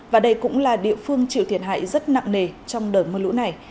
và đây cũng là địa phương chịu thiệt hại rất nặng nề trong đợt mưa lũ này